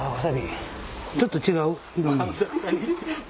ちょっと違う？